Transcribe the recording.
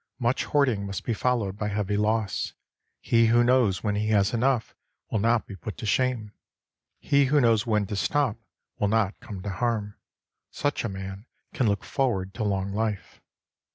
Much hoarding must be followed by heavy loss. He who knows when he has enough will not be put to shame. He who knows when to stop will not come to harm. Such a man can look forward to long life.